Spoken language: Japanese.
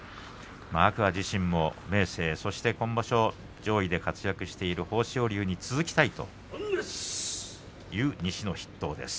天空海自身も明生、そして今場所上位で活躍している豊昇龍に続きたいという西の筆頭です。